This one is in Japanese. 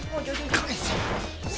返せ！